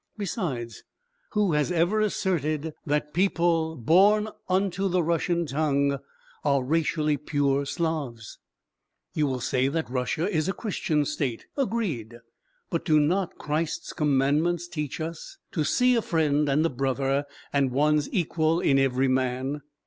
Besides, who has ever asserted that people born unto the Russian tongue are racially pure Slavs? You will say that Russia is a Christian state. Agreed. But do not Christ's commandments teach us to see a friend and a brother and one's equal in every man?